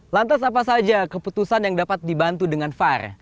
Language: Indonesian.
lantas apa saja keputusan yang dapat dibantu dengan var